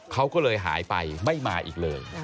เขาก็เลยหายไปไม่มาอีกเลย